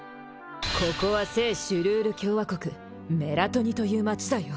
ここは聖シュルール共和国メラトニという街だよ